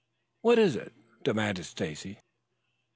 "What is it?" demanded Stacy.